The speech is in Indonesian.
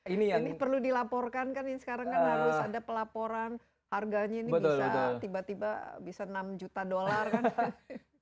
ini perlu dilaporkan kan ini sekarang kan harus ada pelaporan harganya ini bisa tiba tiba bisa enam juta dolar kan